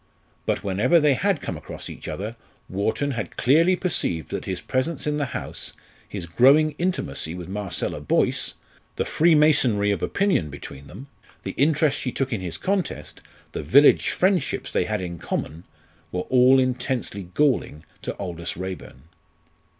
But whenever they had come across each other Wharton had clearly perceived that his presence in the house, his growing intimacy with Marcella Boyce, the free masonry of opinion between them, the interest she took in his contest, the village friendships they had in common, were all intensely galling to Aldous Raeburn.